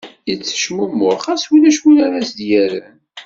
Yettecmumuḥ ɣas ulac win ara ad as-yerren.